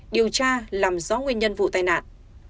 điều tra làm rõ nguyên nhân vụ tai nạn